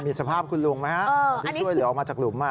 มีสภาพคุณลุงไหมฮะที่ช่วยเหลือออกมาจากหลุม